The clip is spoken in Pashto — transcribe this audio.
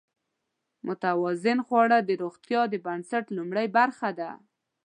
متوازن خواړه د روغتیا د بنسټ لومړۍ برخه ده.